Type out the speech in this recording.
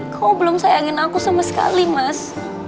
kau belum sayangin aku sama sekali mas